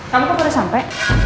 kamu kan udah sampe